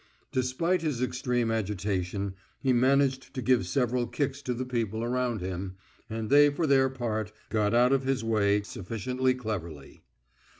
Despite his extreme agitation he managed to give several kicks to the people around him, and they, for their part, got out of his way sufficiently cleverly.